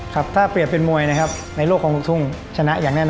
ครับถ้าเปรียบเป็นมวยในโลกของลุกทุ่ง